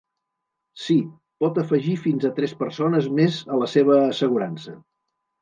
Sí, pot afegir fins a tres persones més a la seva assegurança.